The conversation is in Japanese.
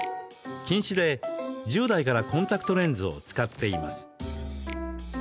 近視で１０代からコンタクトレンズを使っています。